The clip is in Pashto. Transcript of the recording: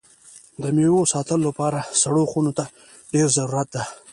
د میوو ساتلو لپاره سړو خونو ته ډېر ضرورت ده.